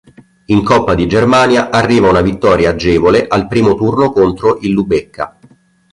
In Coppa di Germania arriva una vittoria agevole al primo turno contro il Lubecca.